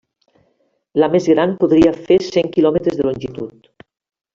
La més gran podria fer cent quilòmetres de longitud.